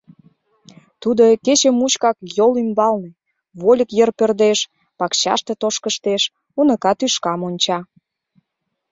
Тудо кече мучкак йол ӱмбалне: вольык йыр пӧрдеш, пакчаште тошкыштеш, уныка тӱшкам онча.